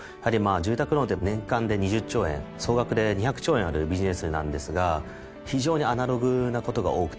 住宅ローンって年間で２０兆円総額で２００兆円あるビジネスなんですが非常にアナログなことが多くてですね